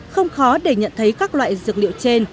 không khó để nhận thấy các loại dược liệu trên